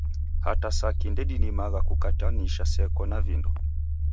Hata saki ndedimagha kukatanisha seko na vindo.